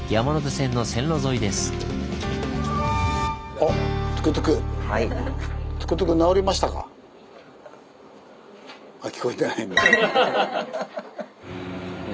あ聞こえてないんだ。